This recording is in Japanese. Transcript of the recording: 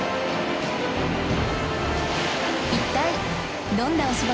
一体どんなお仕事？